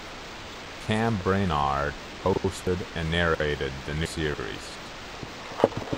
Cam Brainard hosted and narrated the new series.